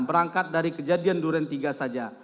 berangkat dari kejadian duren tiga saja